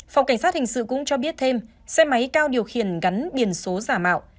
phòng cảnh sát hình sự cũng cho biết thêm xe máy cao điều khiển gắn biển số giả mạo